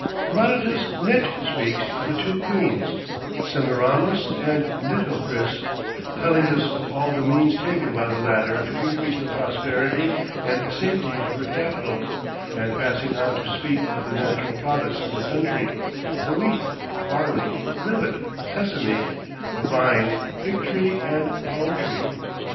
Herodotus next speaks of the two queens, Semiramis and Nitocris, telling us of all the means taken by the latter to increase the prosperity and safety of her capital, and passing on to speak of the natural products of the country, the wheat, barley, millet, sesame, the vine, fig tree and palm tree.